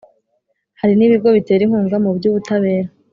hari n’ibigo bitera inkunga mu by’ubutabera.